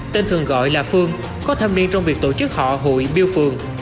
tên thường gọi là phương có tham niên trong việc tổ chức họ hụi biêu phương